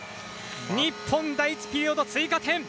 日本、第１ピリオド追加点！